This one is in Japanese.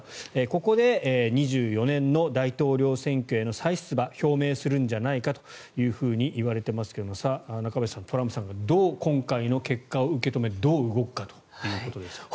ここで２４年の大統領選挙への再出馬を表明するんじゃないかといわれていますが中林さん、トランプが今回の結果をどう受け止めてどう動くかということですが。